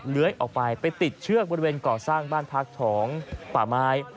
เลื้อยออกไปไปติดเชือกบริเวณก่อสร้างบ้านพักของป่าไม้